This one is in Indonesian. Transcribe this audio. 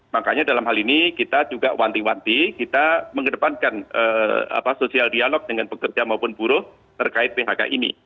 makanya dalam hal ini kita juga wanti wanti kita mengedepankan sosial dialog dengan pekerja maupun buruh terkait phk ini